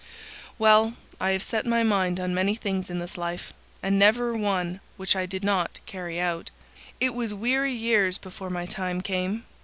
"Well, I have set my mind on many things in this life, and never one which I did not carry out. But it was weary years before my time came.